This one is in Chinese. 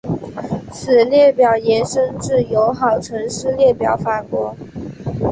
此列表延伸至友好城市列表法国。